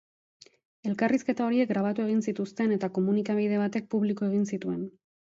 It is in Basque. Elkarrizketa horiek grabatu egin zituzten eta komunikabide batek publiko egin zituen.